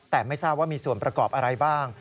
แต่ไม่ทราบว่ามีส่วนประกอบอะไรบ้าง